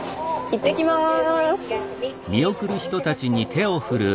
いってきます。